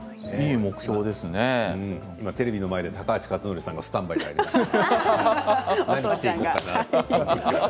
今テレビの前で高橋克典さんがスタンバイしてますよ。